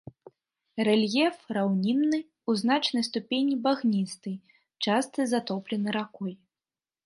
Рэльеф раўнінны, у значнай ступені багністы, часта затоплены ракой.